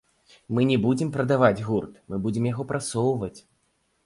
Мы не будзем прадаваць гурт, мы будзем яго прасоўваць.